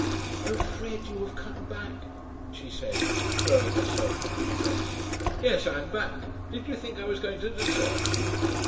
"Oh Fred, you have come back," she said, throwing herself on his breast. "Yes; I am back. Did you think I was going to desert you?"